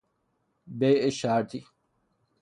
بیع شرطی